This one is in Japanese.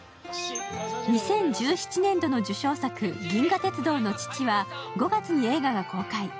２０１７年度の受賞作「銀河鉄道の父」は５月に映画が公開。